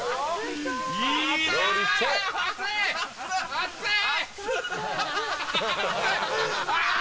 熱い！